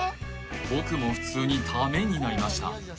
僕も普通にためになりました